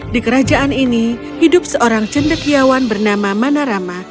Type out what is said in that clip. di kerajaan ini hidup seorang cendekiawan bernama manarama